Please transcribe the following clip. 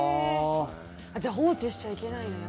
じゃあ放置しちゃいけないんだ。